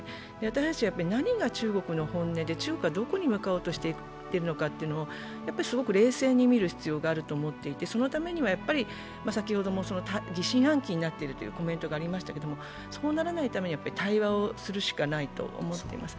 私たちは、何が中国の本音で、中国はどこに向かおうとしているのかを冷静に見る必要があると思っていて、そのためには、疑心暗鬼になっているというコメントがありましたけれども、そうならないために対話をするしかないと思っています。